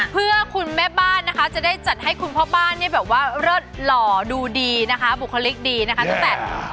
เพื่อคุณแม่บ้านจะได้จัดให้คุณพ่อบ้านเริ่มหล่อดูดีนะคะบุคลิกดีนะคะ